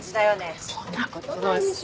そんなことないでしょ。